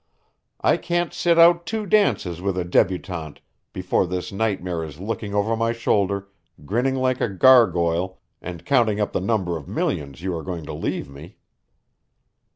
I can't sit out two dances with a debutante before this nightmare is looking over my shoulder, grinning like a gargoyle and counting up the number of millions you are going to leave me."